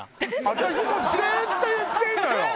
私もずっと言ってんのよ。